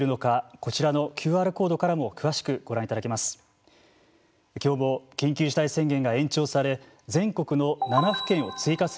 こちらのＱＲコードからも詳しくご覧いただけます。